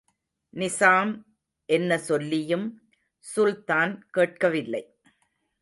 நிசாம் என்ன சொல்லியும் சுல்தான் கேட்கவில்லை.